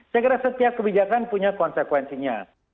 saya kira setiap kebijakan punya konsekuensinya